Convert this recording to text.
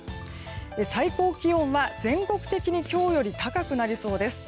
最高気温は全国的に今日より高くなりそうです。